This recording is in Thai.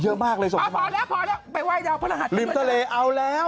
เยอะมากเลยพอแล้วไปว่ายเดี๋ยวพระรหัสสินะริมตะเลเอาแล้วก็บอก